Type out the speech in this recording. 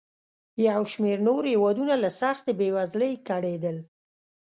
یو شمېر نور هېوادونه له سختې بېوزلۍ کړېدل.